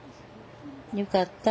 よかった。